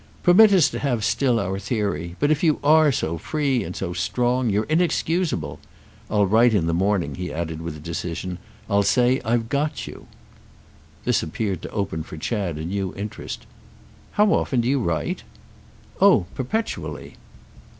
"Permit us to have still our theory. But if you are so free and so strong you're inexcusable. I'll write in the morning," he added with decision. "I'll say I've got you." This appeared to open for Chad a new interest. "How often do you write?" "Oh perpetually."